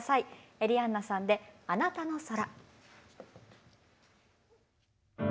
エリアンナさんで「あなたの空」。